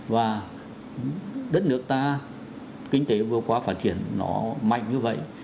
và đất nước ta kinh tế vừa qua phát triển nó mạnh như vậy